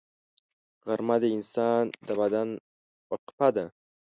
غرمه د انسان د بدن وقفه ده